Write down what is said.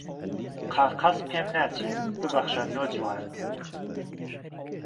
قاقهز پێم ناچێ ببهخشه نۆجوان